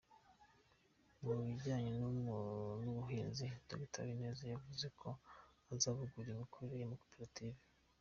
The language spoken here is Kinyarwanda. Mu bijyanye n’ ubuhinzi Dr Habineza yavuze ko azavugurura imikorere y’ amakoperative.